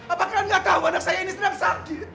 apakah kalian gak tau anak saya ini sedang sakit